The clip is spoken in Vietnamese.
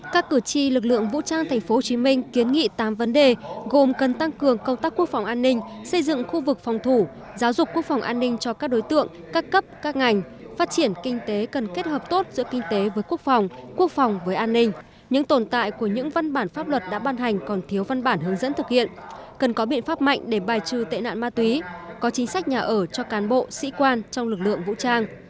các cử tri lực lượng vũ trang tp hcm kiến nghị tám vấn đề gồm cần tăng cường công tác quốc phòng an ninh xây dựng khu vực phòng thủ giáo dục quốc phòng an ninh cho các đối tượng các cấp các ngành phát triển kinh tế cần kết hợp tốt giữa kinh tế với quốc phòng quốc phòng với an ninh những tồn tại của những văn bản pháp luật đã ban hành còn thiếu văn bản hướng dẫn thực hiện cần có biện pháp mạnh để bài trừ tệ nạn ma túy có chính sách nhà ở cho cán bộ sĩ quan trong lực lượng vũ trang